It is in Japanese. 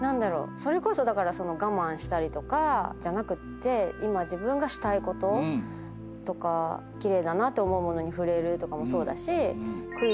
それこそだから我慢したりとかじゃなくって今自分がしたいこととか奇麗だなと思うものに触れるとかもそうだし。